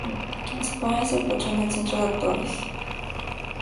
Spall es el patrón del Centro de Actores.